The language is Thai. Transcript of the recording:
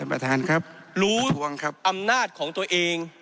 รู้อำนาจของตัวเอง